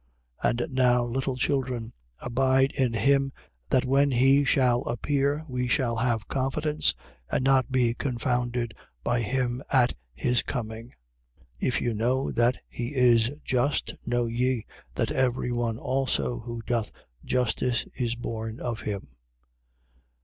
And now, little children, abide in him, that when he shall appear we may have confidence and not be confounded by him at his coming. 2:29. If you know that he is just, know ye, that every one also who doth justice is born of him.